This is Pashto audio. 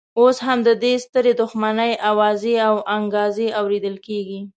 اوس هم د دې سترې دښمنۍ اوازې او انګازې اورېدل کېږي.